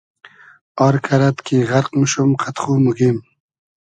آر کئرئد کی غئرق موشوم قئد خو موگیم